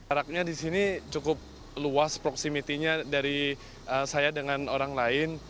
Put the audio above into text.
araknya di sini cukup luas proximity nya dari saya dengan orang lain